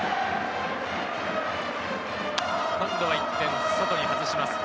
今度は一転、外に外します。